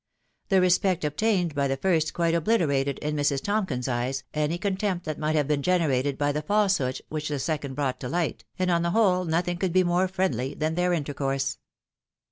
The re spect obtained by the first quite obliterated, an Mrs. Tompkins' eyes, any contempt that migjht have been generated by the falsehoods which the second trough t to light, and en the whole nothing could he more (friendly than their iateraosrse.